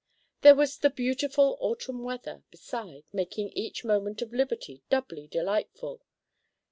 There was the beautiful autumn weather, beside, making each moment of liberty doubly delightful.